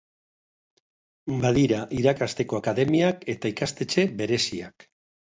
Badira irakasteko akademiak eta ikastetxe bereziak.